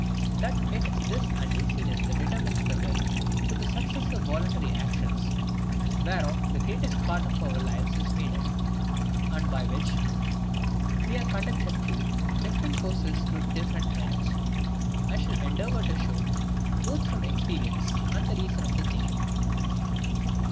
That it is this uneasiness that determines the will to the successive voluntary actions, whereof the greatest part of our lives is made up, and by which we are conducted through different courses to different ends, I shall endeavour to show, both from experience, and the reason of the thing.